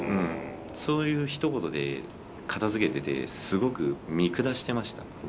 そういうひと言で片づけててすごく見下してました。